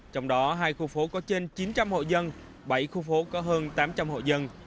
trong đó hai khu phố có trên chín trăm linh hội dân bảy khu phố có hơn tám trăm linh hộ dân